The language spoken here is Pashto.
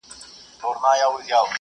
نو چي شاعر پخپله نه په پوهیږي `